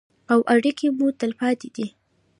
او اړیکې مو تلپاتې دي.